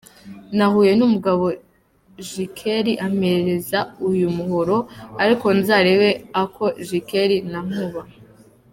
Nahuye n’umugabo Gikeli ampereza uyu muhoro, ariko nzarebe aka Gikeli na Nkuba.